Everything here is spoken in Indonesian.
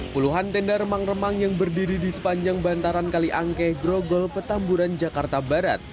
puluhan tenda remang remang yang berdiri di sepanjang bantaran kaliangke grogol petamburan jakarta barat